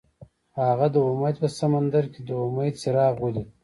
هغه د امید په سمندر کې د امید څراغ ولید.